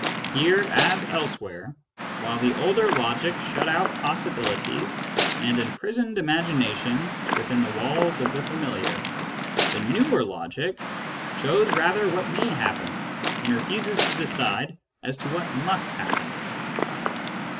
Here as elsewhere, while the older logic shut out possibilities and imprisoned imagination within the walls of the familiar, the newer logic shows rather what may happen, and refuses to decide as to what must happen.